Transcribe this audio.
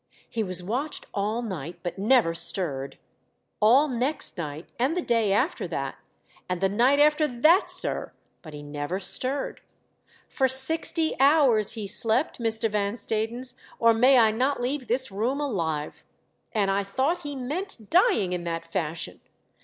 He was watched all night, but never stirred ; all next night, and the day after that, and the night after that, sir, but he never stirred. For sixty hours he slept, Mr. Van Stadens, I AM ALONE. 517 or may I not leave this room alive ! and I thought he meant dying in that fashion.